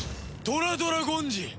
トラドラゴンジン